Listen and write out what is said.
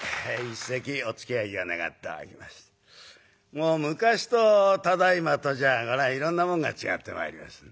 もう昔とただいまとじゃこれはいろんなもんが違ってまいります。